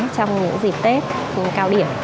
trong những dịp tết cao điểm